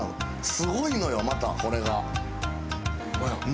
すごいのよまたこれが。